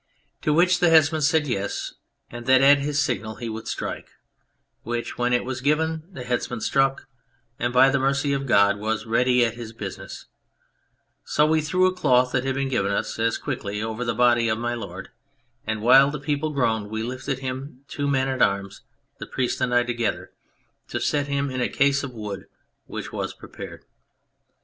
To which the Headsman said yes, and that at his signal he would strike : which, when it was given, the Headsman struck, and by the mercy of God was ready at his business : so we threw a cloth that had been given us quickly over the body of My Lord, and while the people groaned we lifted him, two men at arms, the priest and I together, to set him in a case of wood which was pi'epared.